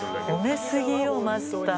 褒め過ぎよマスター。